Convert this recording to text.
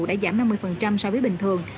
đã giảm năm mươi so với bình thường